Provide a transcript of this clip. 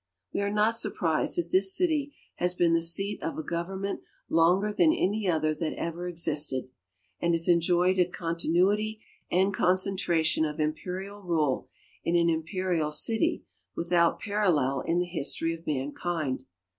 We are not surprised that this city has been the seat of a government longer than any other that ever existed, and lias enjoyed a continuity and concentration of imperial rule in an imperial city without parallel in the history of mankind.